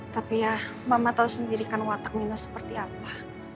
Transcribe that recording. tapi ya mama tahu sendiri kan watak minus seperti apa